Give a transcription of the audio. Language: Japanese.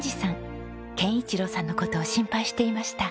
憲一郎さんの事を心配していました。